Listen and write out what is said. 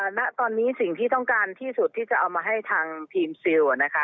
ณตอนนี้สิ่งที่ต้องการที่สุดที่จะเอามาให้ทางทีมซิลนะคะ